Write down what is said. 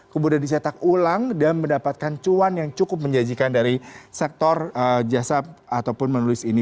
kemudian disetak ulang dan mendapatkan cuan yang cukup menjanjikan dari sektor jasa ataupun menulis ini